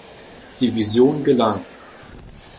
Division gelang.